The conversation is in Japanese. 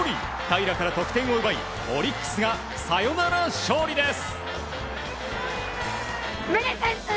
平良から得点を奪いオリックスがサヨナラ勝利です。